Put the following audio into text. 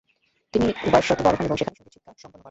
তিনি ওয়ারশোতে বড় হন এবং সেখানেই সংগীত শিক্ষা সম্পন্ন করেন।